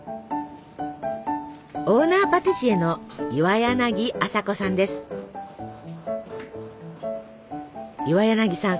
オーナーパティシエの岩柳さん